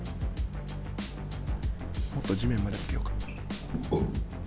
もっと地面までつけようか。